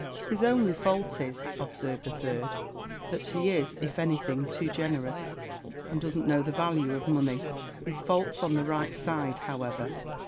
"His only fault is," observed a third, "that he is, if anything, too generous, and doesn't know the value of money; his fault's on the right side, however."